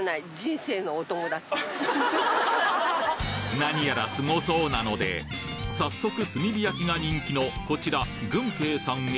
何やらすごそうなので早速炭火焼きが人気のこちらぐんけいさんへ。